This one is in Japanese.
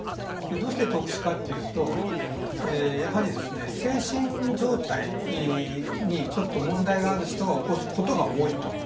どうして特殊かというとやはり精神状態にちょっと問題がある人が起こすことが多いと。